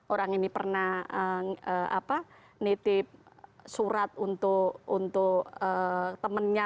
orang ini pernah nitip surat untuk temannya